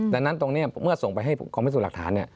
ดังนั้นตรงนี้เมื่อส่งไปให้กองพิสูจน์หลักฐาน